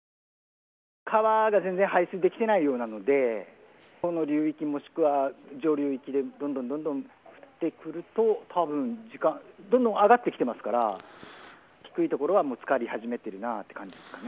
川が全然排水できてないようなので、その流域、もしくは上流域でどんどんどんどん降ってくると、たぶん時間、どんどん上がってきてますから、低い所はもうつかり始めてるかなという感じですね。